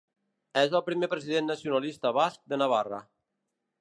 És el primer president nacionalista basc de Navarra.